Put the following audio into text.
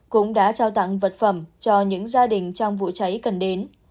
cũng đã trao tặng vật phẩm cho những gia đình trong vụ cháy cần đến